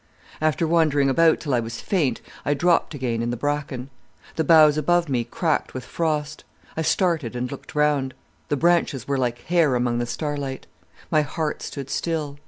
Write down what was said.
"After wandering about till I was faint I dropped again in the bracken. The boughs above me creaked with frost. I started and looked round. The branches were like hair among the starlight. My heart stood still.